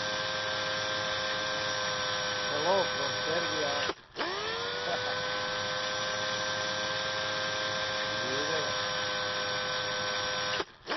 The Lives and Struggles of Two Americans in Modern China.